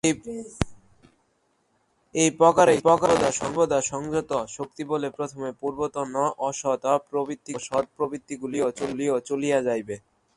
এই প্রকারেই সর্বদা সংযম-শক্তিবলে প্রথমে পূর্বতন অসৎ প্রবৃত্তিগুলি ও সৎপ্রবৃত্তিগুলিও চলিয়া যাইবে।